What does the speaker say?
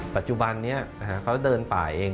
ปัจจุบันนี้เขาเดินป่าเอง